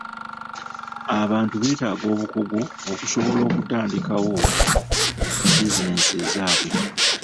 Abantu beetaaga obukugu okusobola okutandikawo bizinensi ezaabwe.